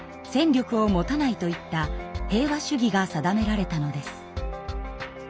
戦力を持たないといった平和主義が定められたのです。